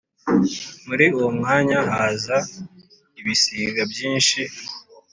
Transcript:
Muri uwo mwanya haza ibisiga byinshi;